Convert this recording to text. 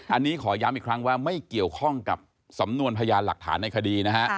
อันนี้ขอย้ำอีกครั้งว่าไม่เกี่ยวข้องกับสำนวนพยานหลักฐานในคดีนะฮะ